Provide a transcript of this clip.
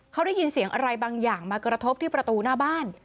เขาได้ยินเสียงอะไรบางอย่างมากระทบที่ประตูหน้าบ้าน